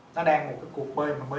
nó đang một cái cuộc bơi mà bơi